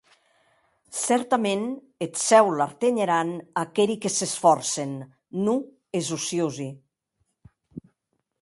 Cèrtament eth Cèu l’artenhen aqueri que s’esfòrcen, non es ociosi.